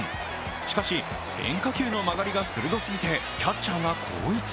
しかし、変化球の曲がりすぎて、キャッチャーが後逸。